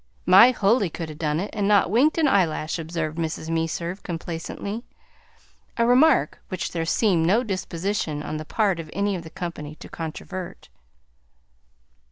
"My Huldy could 'a' done it, and not winked an eyelash," observed Mrs. Meserve complacently; a remark which there seemed no disposition on the part of any of the company to controvert.